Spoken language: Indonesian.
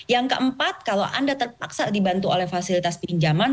yang keempat kalau anda terpaksa dibantu oleh fasilitas pinjaman